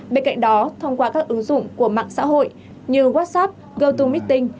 bên cạnh đó thông qua các ứng dụng của mạng xã hội như whatsapp gotomeeting